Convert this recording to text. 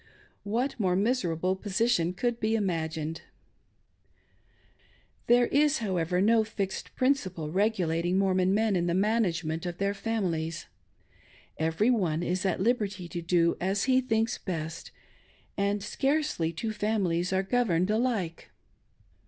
What more miserable position could be imagined ? There is, however, no fixed principle regulating Mormon men in the management of their families — every one is at lib erty to do as he thinks best, and scarcely two families are governed alike.